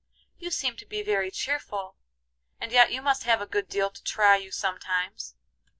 You seem to be very cheerful, and yet you must have a good deal to try you sometimes.